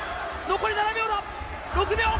残り７秒だ、６秒！